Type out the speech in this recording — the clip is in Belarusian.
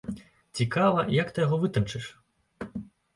Цікава, як ты яго вытанчыш?